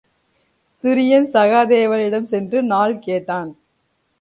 துரியன் சகாதேவனிடம் சென்று நாள் கேட்டான்.